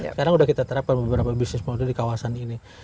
sekarang sudah kita terapkan beberapa bisnis model di kawasan ini